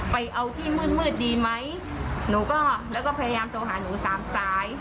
ไปเอาที่มืดมืดดีไหมหนูก็แล้วก็พยายามโทรหาหนูสามซ้าย